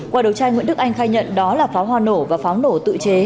qua đấu tranh nguyễn đức anh khai nhận đó là pháo hoa nổ và pháo nổ tự chế